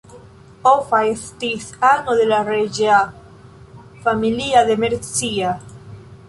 Offa estis ano de la reĝa familio de Mercia.